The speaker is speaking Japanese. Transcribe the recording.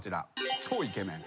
超イケメン。